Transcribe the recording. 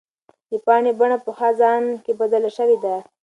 د پاڼې بڼه په خزان کې بدله شوې ده.